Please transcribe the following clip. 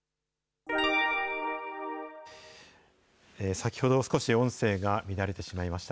先ほど少し音声が乱れてしまいました。